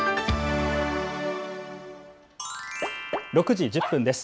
６時１０分です。